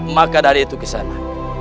maka dari itu kesana